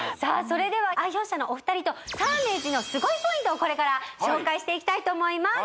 それでは愛用者のお二人とサーメージのすごいポイントをこれから紹介していきたいと思います